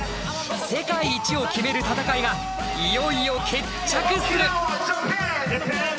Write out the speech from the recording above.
世界一を決める戦いがいよいよ決着する！